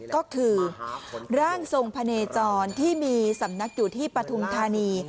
ก็คือร่างทรงพะเนจรที่มีสำนักอยู่ที่ปฐุมธานี